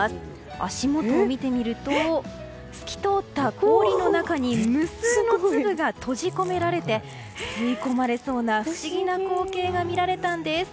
足元を見てみると透き通った氷の中に無数の粒が閉じ込められて吸い込まれそうな不思議な光景が見られたんです。